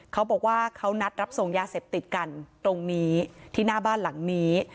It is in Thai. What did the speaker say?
เขาบอกว่าเขานัดรับส่งยาเสพติดกันตรงนี้ที่หน้าบ้านหลังนี้